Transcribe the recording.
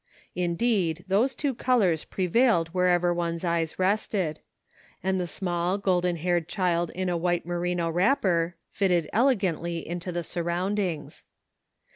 Indeed those two colors prevailed wherever one's eyes rested ; and the small, golden haired child in a white merino wrapper fitted elegantly into the surroundings.